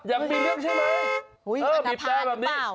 ยังมีเรื่องใช่ไหมเออบีบแตรแบบนี้